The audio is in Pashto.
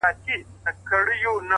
موخه روښانه وي نو ګامونه پیاوړي کېږي!